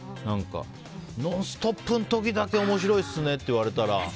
「ノンストップ！」の時だけ面白いですねって言われたら。